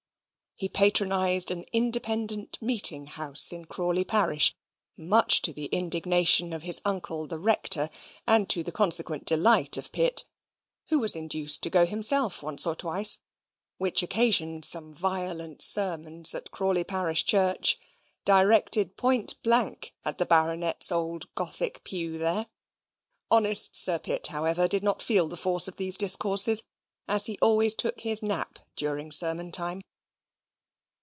He patronised an Independent meeting house in Crawley parish, much to the indignation of his uncle the Rector, and to the consequent delight of Sir Pitt, who was induced to go himself once or twice, which occasioned some violent sermons at Crawley parish church, directed point blank at the Baronet's old Gothic pew there. Honest Sir Pitt, however, did not feel the force of these discourses, as he always took his nap during sermon time.